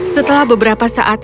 setelah beberapa saat